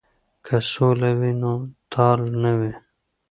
که سوله وي نو تال نه وي.